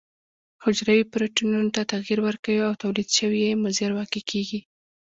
حجروي پروتینونو ته تغیر ورکوي او تولید شوي یې مضر واقع کیږي.